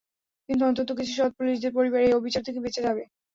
কিন্তু অন্তত কিছু সৎ পুলিশদের পরিবার এই অবিচার থেকে বেঁচে যাবে।